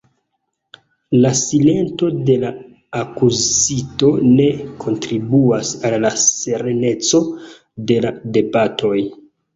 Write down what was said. La silento de la akuzito ne kontribuas al la sereneco de la debatoj.